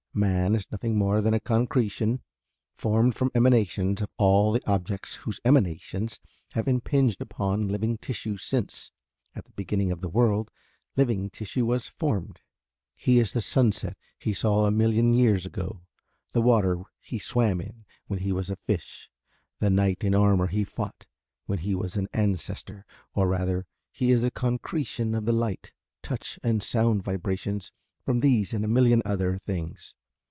Man is nothing more than a concretion formed from emanations of all the objects whose emanations have impinged upon living tissue since, at the beginning of the world, living tissue was formed. He is the sunset he saw a million years ago, the water he swam in when he was a fish, the knight in armour he fought with when he was an ancestor, or rather he is a concretion of the light, touch and sound vibrations from these and a million other things.